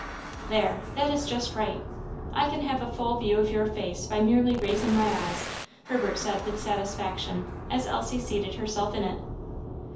"There, that is just right. I can have a full view of your face by merely raising my eyes," Herbert said with satisfaction, as Elsie seated herself in it.